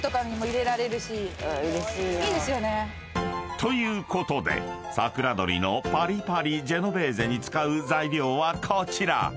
［ということでさくらどりのパリパリジェノベーゼに使う材料はこちら］